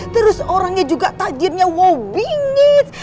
terus orangnya juga tajirnya wow bingit